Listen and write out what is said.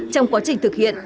trong quá trình thực hiện